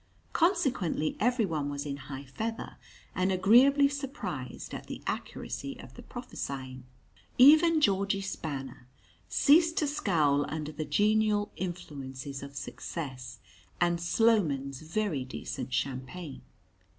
Consequently everyone was in high feather, and agreeably surprised at the accuracy of the prophesying. Even Georgie Spanner ceased to scowl under the genial influences of success and Sloman's very decent champagne.